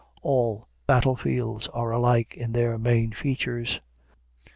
All battle fields are alike in their main features.